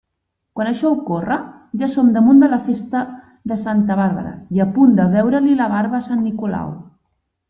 Quan això ocorre, ja som damunt de la festa de Santa Bàrbara i a punt de veure-li la barba a sant Nicolau.